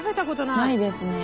ないですね。